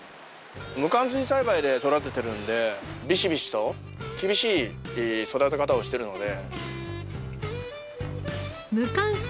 無かん水栽培で育ててるんでビシビシと厳しい育て方をしてるので。